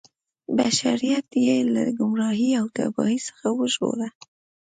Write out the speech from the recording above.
بشریت یې له ګمراهۍ او تباهۍ څخه وژغوره.